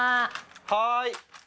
はい！